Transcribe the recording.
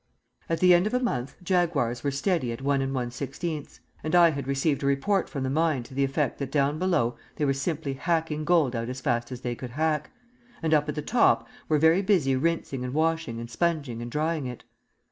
At the end of a month Jaguars were steady at 1 1/16; and I had received a report from the mine to the effect that down below they were simply hacking gold out as fast as they could hack, and up at the top were very busy rinsing and washing and sponging and drying it.